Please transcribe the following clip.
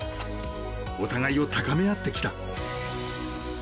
お互いを高め合ってきた。